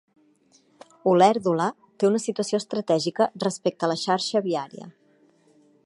Olèrdola té una situació estratègica respecte a la xarxa viària.